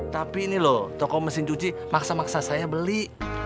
tapi ini loh toko mesin cuci maksa maksa saya beli